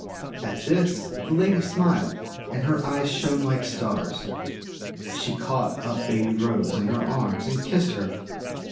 At this the lady smiled, and her eyes shone like stars. She caught up Baby Rose in her arms, and kissed her.